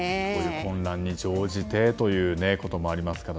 混乱に乗じてということもありますから。